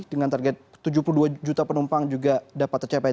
dengan target tujuh puluh dua juta penumpang juga dapat tercapai